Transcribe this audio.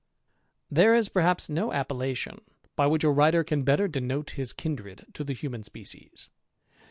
There is perhaps no appellation by which a writer can *^tter denote his kindred to the human species.